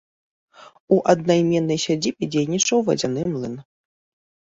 У аднайменнай сядзібе дзейнічаў вадзяны млын.